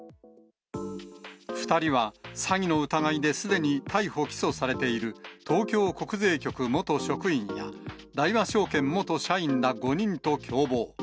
２人は詐欺の疑いですでに逮捕・起訴されている、東京国税局元職員や、大和証券元社員ら５人と共謀。